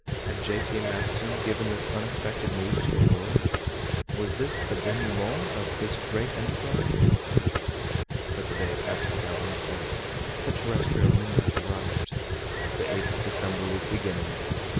Had J. T. Maston given this unexpected news to the world? Was this the denouement of this great enterprise? But the day passed without incident. The terrestrial midnight arrived. The 8th of December was beginning.